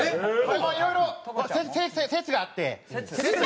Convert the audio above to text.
これもいろいろ説があって。